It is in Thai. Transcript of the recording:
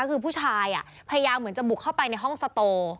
คือผู้ชายพยายามเหมือนจะบุกเข้าไปในห้องสโต